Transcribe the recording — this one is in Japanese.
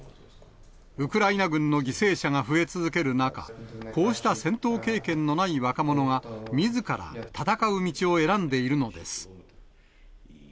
ウクライナ軍の犠牲者が増え続ける中、こうした戦闘経験のない若者が、みずから戦う道を選んでいるのです。